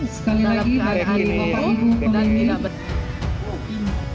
sekali lagi baik baik